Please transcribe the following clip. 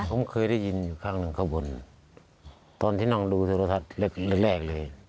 ผมเคยได้ยินอยู่ข้างหนึ่งข้างบนตอนที่นั่งดูโทรทัศน์แรกเลย